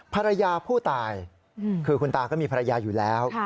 ภรรยาผู้ตายคือคุณตาก็มีภรรยาอยู่แล้ว